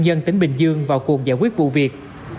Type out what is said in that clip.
dân tỉnh bình dương vào cuộc giải quyết vụ việc